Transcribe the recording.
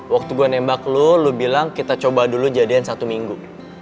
waktu gue nembak lo lu bilang kita coba dulu jadian satu minggu